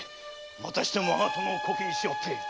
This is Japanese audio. またしても我が殿をコケにしおって！